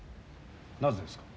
なぜですか？